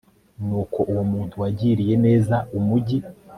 nuko uwo muntu wagiriye neza umugi